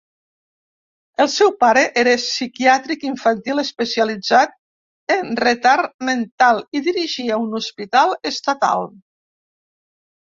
El seu pare era psiquiatre infantil, especialitzat en retard mental, i dirigia un hospital estatal.